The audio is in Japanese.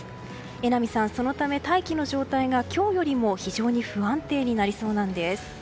榎並さん、そのため大気の状態が今日よりも非常に不安定になりそうなんです。